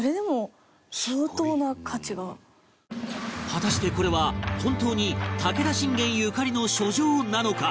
果たしてこれは本当に武田信玄ゆかりの書状なのか？